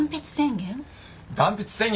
断筆宣言？